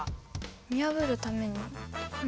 見破るためにうん。